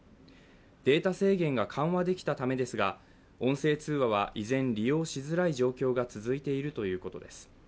データ制限が緩和できたためですが、音声通話は依然、利用しづらい状況が続いているということです。